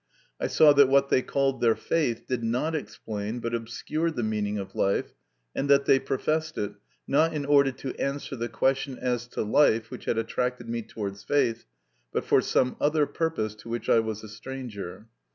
I saw that what they called their faith did not explain but obscured the meaning of life, and that they professed it, not in order to answer the question as to life which had attracted me towards faith, but for some other purpose to which I was a stranger.